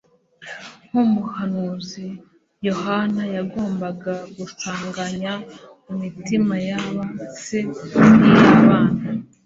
Nk'umuhanuzi, Yohana yagombaga “gusanganya imitima ya ba se n'iy'abana,